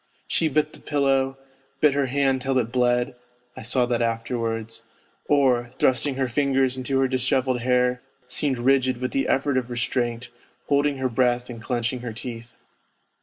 She bit the pillow, bit her hand till it bled (I saw that afterwards), or, thrusting her fingers into her dishevelled hair seemed rigid with the effort of restraint, holding her breath and clenching her teeth.